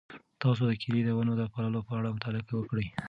تاسو د کیلې د ونو د پاللو په اړه مطالعه وکړئ.